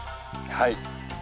はい。